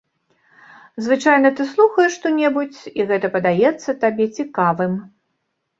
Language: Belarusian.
Звычайна ты слухаеш што-небудзь, і гэта падаецца табе цікавым.